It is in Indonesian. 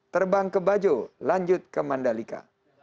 terbang ke bajo lanjut ke mandalika